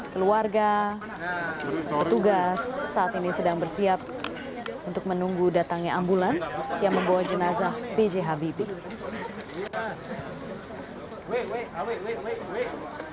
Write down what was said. keluarga petugas saat ini sedang bersiap untuk menunggu datangnya ambulans yang membawa jenazah b j habibie